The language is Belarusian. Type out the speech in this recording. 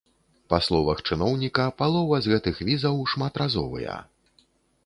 Па словах чыноўніка, палова з гэтых візаў шматразовыя.